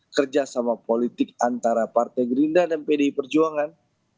kerjasama politik antara partai gerindra dan pdi perjuangan